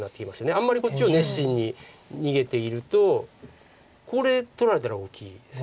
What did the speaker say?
あんまりこっちを熱心に逃げているとこれ取られたら大きいですよね。